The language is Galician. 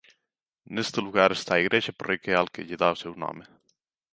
Neste lugar está a igrexa parroquial que lle dá o seu nome.